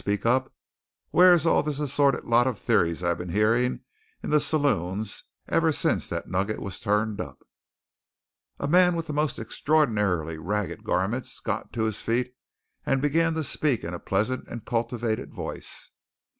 Speak up! Whar's all this assorted lot of theories I been hearing in the say loons ever since that nugget was turned up?" A man with the most extraordinarily ragged garments got to his feet and began to speak in a pleasant and cultivated voice.